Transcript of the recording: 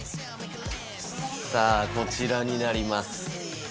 さあこちらになります。